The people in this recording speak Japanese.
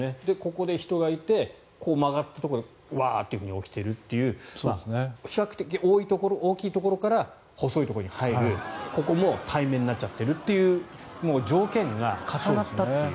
ここに人がいてこう曲がったところでワーッと起きているという比較的大きいところから細いところに入るここも対面になっちゃっているという条件が重なったという。